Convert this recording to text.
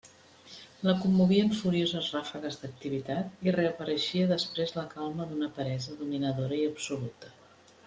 La commovien furioses ràfegues d'activitat i reapareixia després la calma d'una peresa dominadora i absoluta.